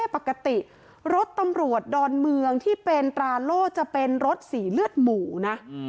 ปกติรถตำรวจดอนเมืองที่เป็นตราโล่จะเป็นรถสีเลือดหมูนะ